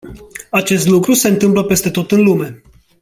Acest lucru se întâmplă peste tot în lume.